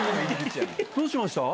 どうしました？